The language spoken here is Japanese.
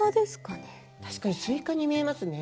確かにスイカに見えますね。